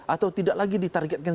atau tidak lagi ditargetkan